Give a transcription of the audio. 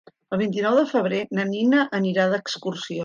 El vint-i-nou de febrer na Nina anirà d'excursió.